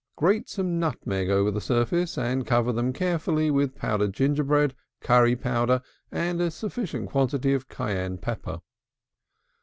Grate some nutmeg over the surface, and cover them carefully with powdered gingerbread, curry powder, and a sufficient quantity of Cayenne pepper.